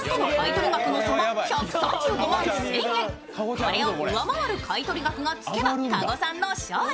これを上回る買取額がつけば加護さんの勝利。